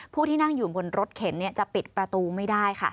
ผู้ที่นั่งอยู่บนรถเข็นจะปิดประตูไม่ได้ค่ะ